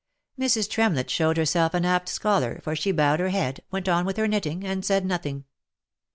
Mrs. Tremlett showed herself an apt scholar, for she bowed her head, went on with her knitting, and said nothing.